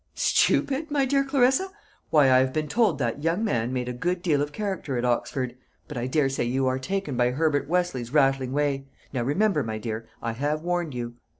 "Stupid, my dear Clarissa! Why, I have been told that young man made a good deal of character at Oxford. But I daresay you are taken by Herbert Westleigh's rattling way. Now remember, my dear, I have warned you."